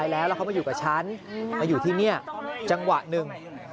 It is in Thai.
แล้วเขามาอยู่กับฉันมาอยู่ที่นี่จังหวะหนึ่ง